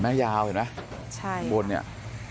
ดูดราวเห็นมั้ยบนเนี่ย